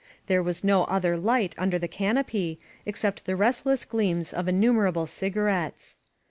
There was no other light under the canopy, except the restless gleams of inniunerable cigarettes.